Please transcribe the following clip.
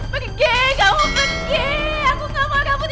pergi kamu pergi aku gak mau rambut ini kamu ambil aja pergi